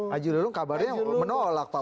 haji lulung kabarnya menolak pak